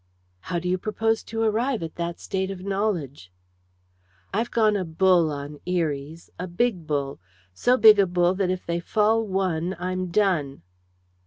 "How do you propose to arrive at that state of knowledge?" "I've gone a bull on Eries a big bull. So big a bull that if they fall one I'm done."